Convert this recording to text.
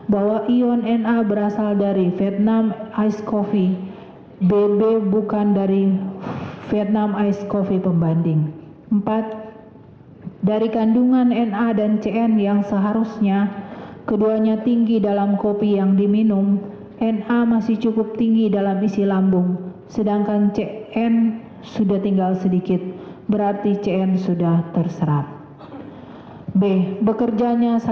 hal ini berdasar dan bersesuaian dengan keterangan ahli toksikologi forensik dr rednath imade agus gilgail wirasuta